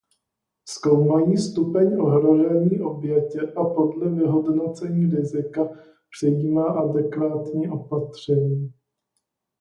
Zkoumají stupeň ohrožení oběti a podle vyhodnocení rizika přijímá adekvátní opatření.